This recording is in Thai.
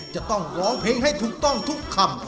จะต้องร้องเพลงให้ถูกต้องทุกคำ